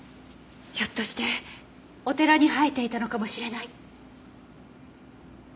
ひょっとしてお寺に生えていたのかもしれない。